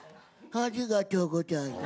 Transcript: ありがとうございます。